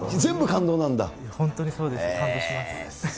本当にそうです、感動します。